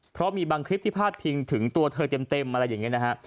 เพราะมีบางคลิปที่พาดพิงถึงตัวเธอเต็มอะไรอย่างนี้นะฮะ